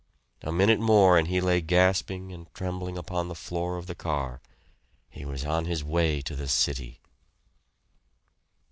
A minute more and he lay gasping and trembling upon the floor of the car. He was on his way to the city.